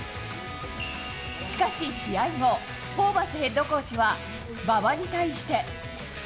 しかし、試合後、ホーバスヘッドコーチは馬場に対して。